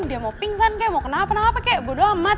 dia mau pingsan kek mau kenapa napa kek bodo amat